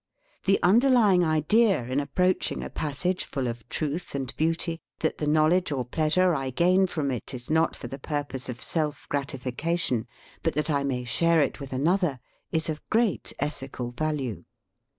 The underlying idea in approach ing a passage full of truth and beauty, that the knowledge or pleasure I gain from it is not for the purpose of self gratification, but that I may share it with another, is of great ethical value.